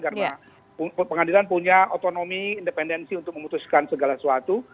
karena pengadilan punya otonomi independensi untuk memutuskan segala sesuatu